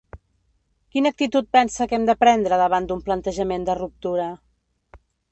Quina actitud pensa que hem de prendre davant d’un plantejament de ruptura?